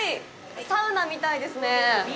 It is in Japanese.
サウナみたいですね。